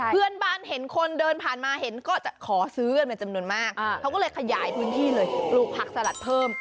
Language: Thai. เพื่อนบ้านเห็นคนเดินผ่านมาเห็นก็จะขอซื้อกันเป็นจำนวนมากเขาก็เลยขยายพื้นที่เลยปลูกผักสลัดเพิ่ม